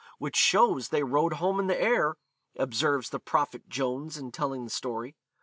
'Which shows they rode home in the air,' observes the Prophet Jones in telling the story.